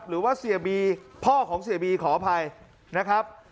หรือว่าเสียบีพ่อของเสียบีขออภัยนะครับ